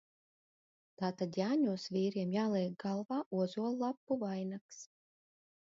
Tātad Jāņos vīriem jāliek galvā ozollapu vainags.